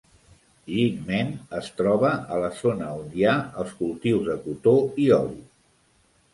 Jingmen es troba a la zona on hi ha els cultius de cotó i oli.